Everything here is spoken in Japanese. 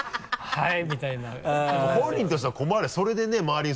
はい。